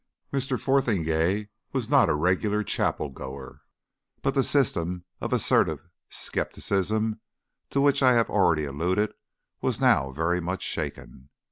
Mr. Fotheringay was not a regular chapel goer, but the system of assertive scepticism, to which I have already alluded, was now very much shaken.